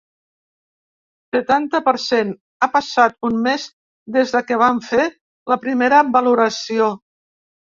Setanta per cent Ha passat un mes des que vam fer la primera valoració.